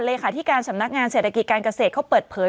เลขาธิการสำนักงานเศรษฐกิจการเกษตรเขาเปิดเผย